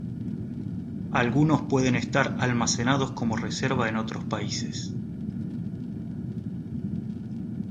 Algunos pueden estar almacenados como reserva en otros países.